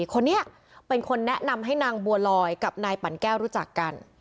คนนี้เป็นคนแนะนำให้นางบัวลอยกับนายปั่นแก้วรู้จักกัน